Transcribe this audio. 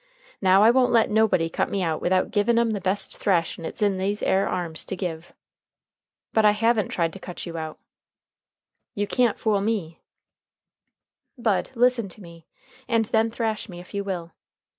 Now I won't let nobody cut me out without givin' 'em the best thrashin' it's in these 'ere arms to give." "But I haven't tried to cut you out." "You can't fool me." "Bud, listen to me, and then thrash me if you will.